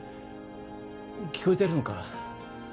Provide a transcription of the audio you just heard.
聞こえてるのか？